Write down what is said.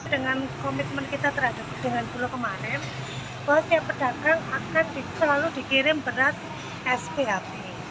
dengan komitmen kita terhadap dengan bulog kemarin bahwa setiap pedagang akan selalu dikirim beras sphp